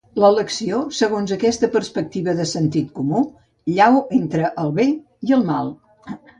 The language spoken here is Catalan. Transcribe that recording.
L'elecció, segons aquesta perspectiva de sentit comú, llau entre el bé i el mal.